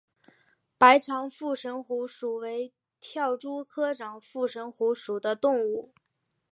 白长腹蝇虎属为跳蛛科长腹蝇虎属的动物。